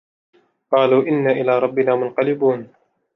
قَالُوا إِنَّا إِلَى رَبِّنَا مُنْقَلِبُونَ